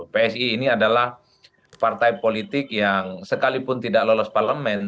psi ini adalah partai politik yang sekalipun tidak lolos parlemen